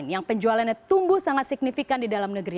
yang penjualannya tumbuh sangat signifikan di dalam negeri